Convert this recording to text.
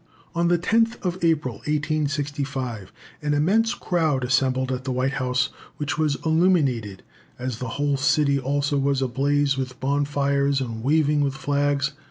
On the 10th April, 1865, an immense crowd assembled at the White House, which was illuminated, as "the whole city also was a blaze with bonfires and waving with flags."